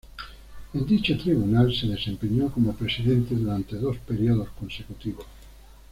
En dicho Tribunal se desempeñó como Presidente durante dos períodos consecutivos.